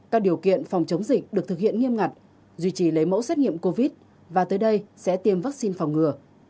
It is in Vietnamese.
các điều kiện phòng chống dịch được thực hiện nghiêm ngặt duy trì lấy mẫu xét nghiệm covid và tới đây sẽ tiêm vaccine phòng ngừa